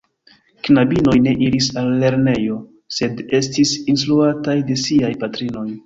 Knabinoj ne iris al lernejo, sed estis instruataj de siaj patrinoj.